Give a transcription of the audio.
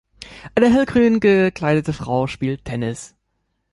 Eine hellgrün gekleidete Frau spielt Tennis.